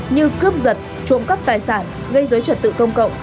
như cướp giật trộm cắp tài sản gây dối trật tự công cộng